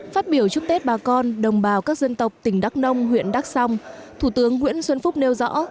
phát biểu chúc tết bà con đồng bào các dân tộc tỉnh đắk nông huyện đắk song thủ tướng nguyễn xuân phúc nêu rõ